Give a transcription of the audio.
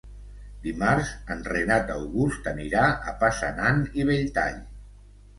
Dimarts en Renat August anirà a Passanant i Belltall.